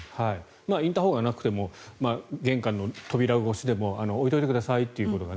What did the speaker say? インターホンがなくても玄関の扉越しでも置いといてくださいってことがね。